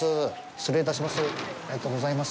失礼いたします。